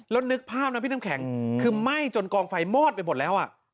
แล้วนึกภาพนะพี่น้ำแข็งคือไหม้จนกองไฟมอดไปหมดแล้ว